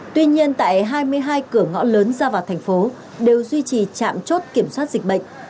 tuy nhiên tại hai mươi hai cửa ngõ lớn ra vào thành phố đều duy trì trạm chốt kiểm soát dịch bệnh